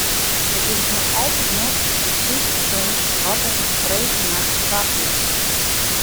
It is noch altyd net persiis bekend wat der dy freedtenachts bard is.